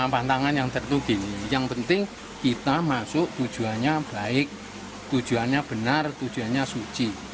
pantangan yang tertuging yang penting kita masuk tujuannya baik tujuannya benar tujuannya suci